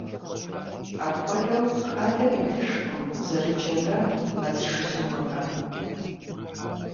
Апхуэдэу, хадэм итыжкъым зэрыджэмрэ мэз жызумымрэ.